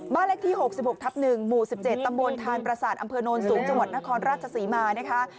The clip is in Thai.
เลขที่๖๖ทับ๑หมู่๑๗ตำบลทานประสาทอำเภอโนนสูงจังหวัดนครราชศรีมานะคะ